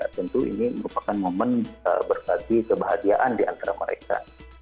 tentu ini merupakan momen berbagi kebahagiaan diantara mereka